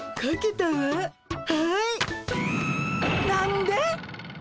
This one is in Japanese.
何で！？